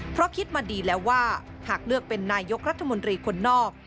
เพราะคิดมาดีแล้วว่าหากเลือกเป็นนายกรัฐมนตรีคนนอก